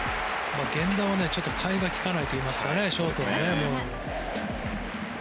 源田は替えがきかないといいますかね、ショートで。